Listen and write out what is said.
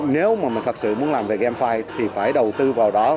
nếu mà mình thật sự muốn làm về gamefi thì phải đầu tư vào đó